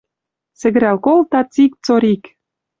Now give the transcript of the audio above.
Сӹгӹрӓл колта цик-цорик!